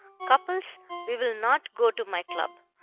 Cupples, we will not go to my club.